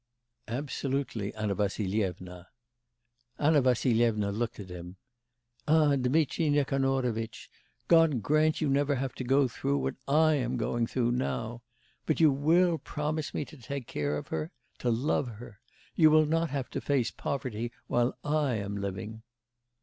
'Absolutely, Anna Vassilyevna.' Anna Vassilyevna looked at him. 'Ah, Dmitri Nikanorovitch, God grant you never have to go through what I am going through now. But you will promise me to take care of her to love her. You will not have to face poverty while I am living!